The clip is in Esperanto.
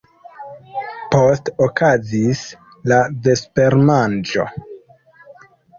Poste okazis la vespermanĝo.